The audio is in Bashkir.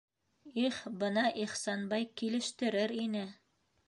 Их, бына Ихсанбай килештерер ине!